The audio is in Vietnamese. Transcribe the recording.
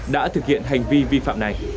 đã thực hiện hành vi vi phạm này